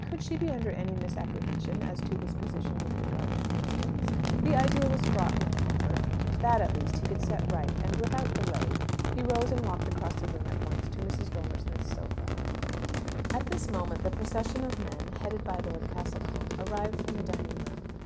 Could she be under any misapprehension as to his position with regard to Constance? The idea was fraught with comfort. That, at least, he could set right, and without delay. He rose and walked across the room at once to Mrs. Dormer Smith's sofa. At this moment the procession of men, headed by Lord Castlecombe, arrived from the dining room.